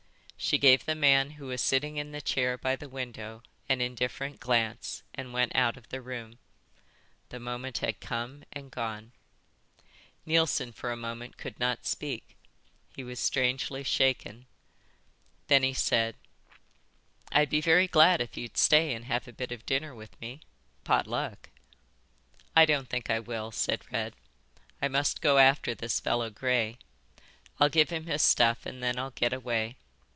She gave the man who was sitting in the chair by the window an indifferent glance, and went out of the room. The moment had come and gone. Neilson for a moment could not speak. He was strangely shaken. Then he said: "I'd be very glad if you'd stay and have a bit of dinner with me. Pot luck." "I don't think I will," said Red. "I must go after this fellow Gray. I'll give him his stuff and then I'll get away.